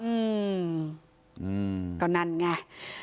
อืมอืมก็นั่นไง